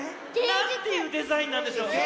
なんていうデザインなんでしょう。